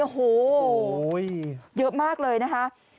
โอ้โหเยอะมากเลยนะคะ